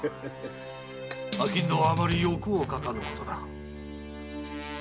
商人はあまり欲をかかぬことだ。